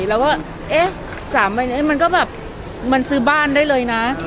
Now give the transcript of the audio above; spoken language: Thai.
แล้วก็เอ๊ะ๓ใบนี้มันก็แบบมันซื้อบ้านได้เลยนะ